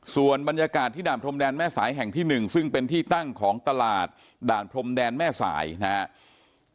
ส่วนบรรยากาศที่ด่านพรมแดนแม่สายแห่งที่๑ซึ่งเป็นที่ตั้งของตลาดด่านพรมแดนแม่สายนะครับ